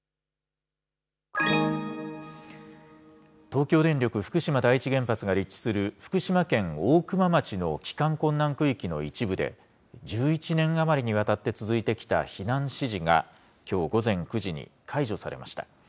東京電力福島第一原発が立地する、福島県大熊町の帰還困難区域の一部で、１１年余りにわたって続いてきた避難指示が、きょう午前９時に解除されました。